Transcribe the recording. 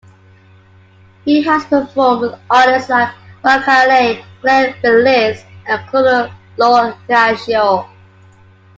He has performed with artists like Rakali, Glen Velez and Claudio Lo Cascio.